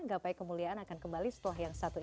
gapai kemuliaan akan kembali setelah yang satu ini